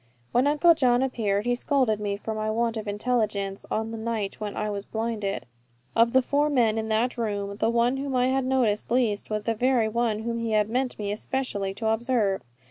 When Uncle John appeared, he scolded me for my want of intelligence on the night when I was blinded. Of the four men in that room, the one whom I had noticed least was the very one whom he had meant me especially to observe.